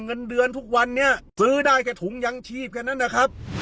เงินเดือนทุกวันนี้ซื้อได้แค่ถุงยังชีพแค่นั้นนะครับ